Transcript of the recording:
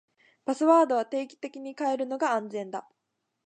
パスワードは定期的に変えるのが安全だ。